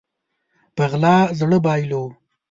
په غلا زړه بايلو